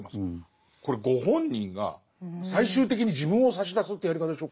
これご本人が最終的に自分を差し出すってやり方でしょ。